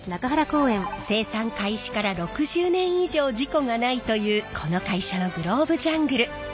生産開始から６０年以上事故がないというこの会社のグローブジャングル。